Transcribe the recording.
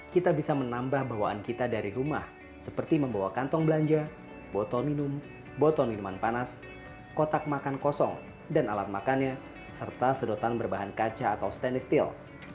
kita bisa menambah bawaan kita dari rumah seperti membawa kantong belanja botol minum botol minuman panas kotak makan kosong dan alat makannya serta sedotan berbahan kaca atau stainless steel